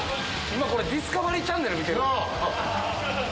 今これディスカバリーチャンネル見てる。なぁ。